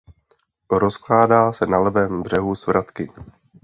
Rozkládá se na levém břehu Svratky.